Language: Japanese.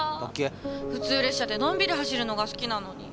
普通列車でのんびり走るのが好きなのに。